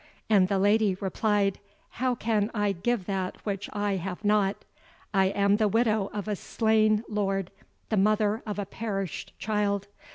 And the Lady replied, "How can I give that which I have not? I am the widow of a slain lord, the mother of a perished child.